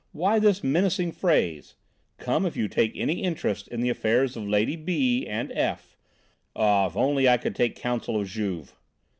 Why this menacing phrase, 'Come, if you take any interest in the affairs of Lady B and F .' Oh, if only I could take counsel of Juve!"